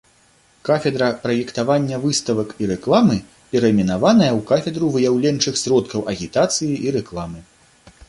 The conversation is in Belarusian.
Кафедра праектавання выставак і рэкламы перайменаваная ў кафедру выяўленчых сродкаў агітацыі і рэкламы.